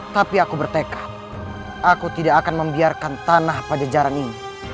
tapi aku bertekad aku tidak akan membiarkan tanah pada jarang ini